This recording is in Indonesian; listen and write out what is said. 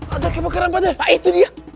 ada kebakaran pada itu dia